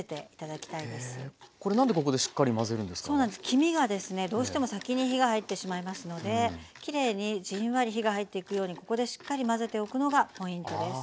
黄身がですねどうしても先に火が入ってしまいますのできれいにじんわり火が入っていくようにここでしっかり混ぜておくのがポイントです。